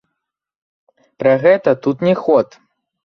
Пра гэта тут не ход!